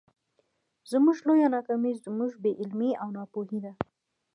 زموږ لويه ناکامي زموږ بې علمي او ناپوهي ده.